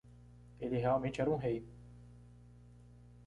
Ele realmente era um rei!